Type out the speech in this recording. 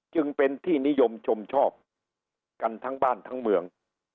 จึงเป็นที่นิยมชมชอบกันทั้งบ้านทั้งเมือง